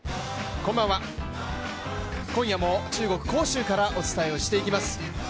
こんばんは、今夜も中国・杭州からお伝えをしていきます。